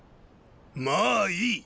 まァいい。